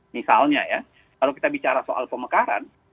misalnya ya kalau kita bicara soal pemekaran